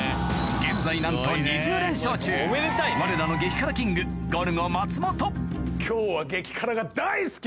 現在なんと２０連勝中われらの激辛キングゴルゴ松本今日は。